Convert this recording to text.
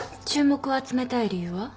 注目を集めたい理由は？